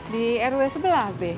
di rw sebelah be